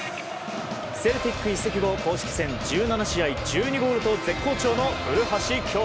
セルティック移籍後公式戦１７試合１２ゴールと絶好調の古橋。